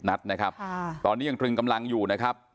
นัดนะครับตอนนี้ยังตรึงกำลังอยู่นะครับ